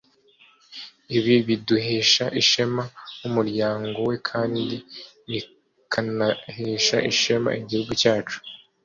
ibi biduhesha ishema nk’umuryango we kandi bikanahesha ishema igihugu cyacu